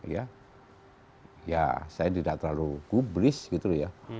ya saya tidak terlalu gublis gitu ya